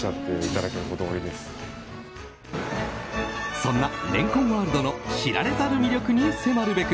そんなレンコンワールドの知られざる魅力に迫るべく